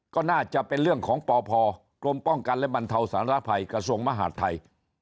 ก็น่าจะเป็นเรื่องของปพกกลทสรภกระทรวงมหาธัย